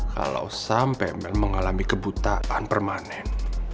kalau sampai mengalami kebutaan permanen